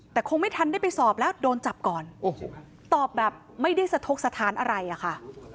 แต่คงไม่ทันได้ไปสอบแล้วโดนจับก่อนโอ้โหตอบแบบไม่ได้สะทกสถานอะไรอะค่ะ